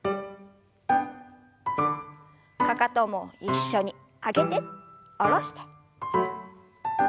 かかとも一緒に上げて下ろして。